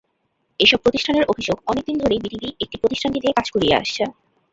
এসব প্রতিষ্ঠানের অভিযোগ, অনেক দিন ধরেই বিটিবি একটি প্রতিষ্ঠানকে দিয়ে কাজ করিয়ে আসছে।